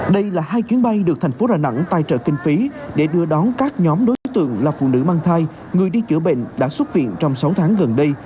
đây là hai chuyến bay được thành phố đà nẵng tài trợ kinh phí để đưa đón các nhóm đối tượng là phụ nữ mang thai người đi chữa bệnh đã xuất viện trong sáu tháng gần đây